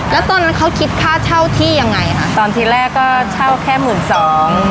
แล้วตอนนั้นเขาคิดค่าเช่าที่ยังไงค่ะตอนที่แรกก็เช่าแค่หมื่นสอง